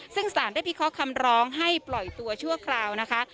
ซึ่งสารได้พิเคราะห์คำร้องให้ปล่อยตัวชั่วคราวนะคะ